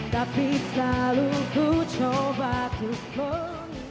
tapi selalu ku coba tuh mengindahkan